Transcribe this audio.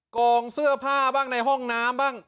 กองเสื้อผ้าบ้างในห้องน้ำบ้าง